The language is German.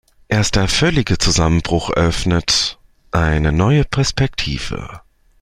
Erst der völlige Zusammenbruch eröffnet eine neue Perspektive.